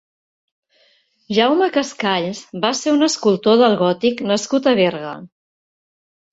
Jaume Cascalls va ser un escultor del gòtic nascut a Berga.